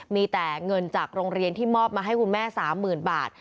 มีแต่เงินจากโรงเรียนที่มอบมาให้คุณแม่๓๐๐๐บาท